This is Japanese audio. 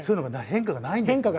変化がないんですね。